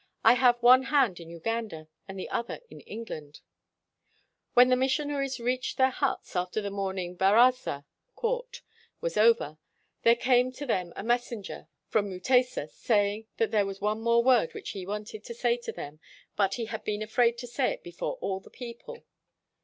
I have one hand in Uganda, and the other in England. '' When the missionaries reached their huts after the morning baraza [court] was over, there came to them a messenger from Mu 80 RECEPTION AT THE ROYAL PALACE tesa saying that there was one more word which he wanted to say to them, but he had been afraid to say it before all the people.